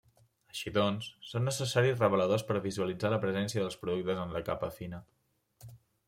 Així doncs, són necessaris reveladors per visualitzar la presència dels productes en la capa fina.